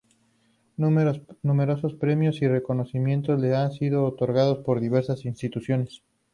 Numerosos premios y reconocimientos le han sido otorgados por diversas instituciones.